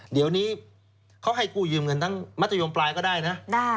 เดี๋ยวนี้เขาให้กู้ยืมเงินทั้งมัธยมปลายก็ได้นะ